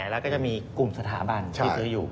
แล้วก็จะมีกลุ่มสถาบันที่ซื้ออยู่